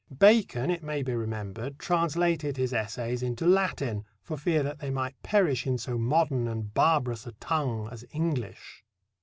Bacon, it may be remembered, translated his essays into Latin for fear they might perish in so modern and barbarous a tongue as English.